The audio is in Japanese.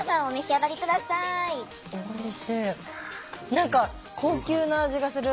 何か高級な味がする。